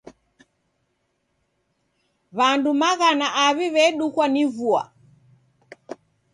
W'andu maghana aw'I w'edukwa ni vua.